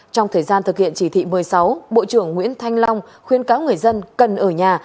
trong thời gian thực hiện chỉ thị một mươi sáu bộ trưởng nguyễn thanh long khuyên cáo người dân cần ở nhà